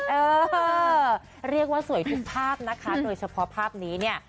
เออเรียกว่าสวยทุกภาพนะคะโดยเฉพาะภาพนี้เนี่ย